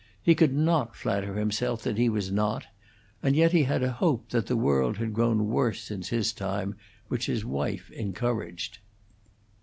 He could not flatter himself that he was not; and yet he had a hope that the world had grown worse since his time, which his wife encouraged.